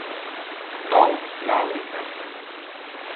Tom claudica.